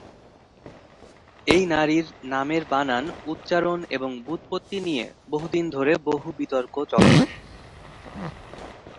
এই নারীর নামের বানান, উচ্চারণ, এবং ব্যুৎপত্তি নিয়ে বহুদিন ধরে বহু বিতর্ক চলমান।